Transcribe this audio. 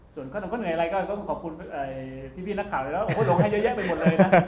ส่วนคนไหนก็ขอบคุณพี่นักข่าวแล้วโหลงให้เยอะแยะไปหมดเลยนะ